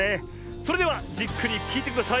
それではじっくりきいてください。